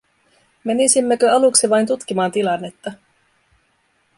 Menisimmekö aluksi vain tutkimaan tilannetta?